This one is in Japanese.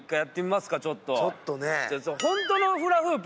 ちょっとね。